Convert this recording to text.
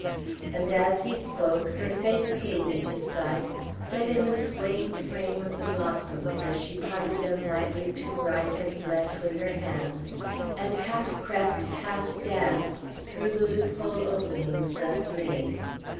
And as he spoke, her face came into sight, set in a swaying frame of the blossoms, as she parted them lightly to right and left with her hands, and half crept, half danced through the loop hole openings thus made.